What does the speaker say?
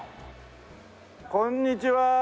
こんにちは。